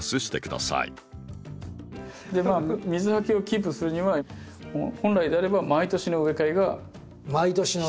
水はけをキープするには本来であれば毎年の植え替えが必要ですね。